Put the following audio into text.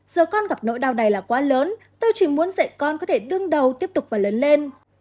giờ con gặp nỗi đau này là quá lớn tôi chỉ muốn dạy con có thể đương đầu tiếp tục và lớn lên